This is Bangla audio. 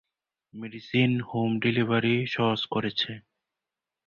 মেডিসিন হোম ডেলিভারি সহজ করেছে।